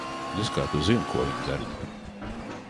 Nez kā tu zini, ko viņa darītu?